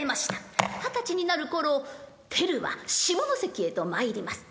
二十歳になる頃テルは下関へと参ります。